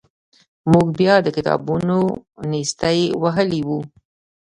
موږ بیا د کتابونو نیستۍ وهلي وو.